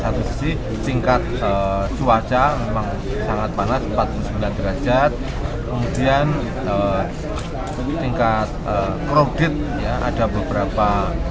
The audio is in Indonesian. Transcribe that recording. satu sisi tingkat cuaca memang sangat panas empat puluh sembilan derajat kemudian tingkat krodit ada beberapa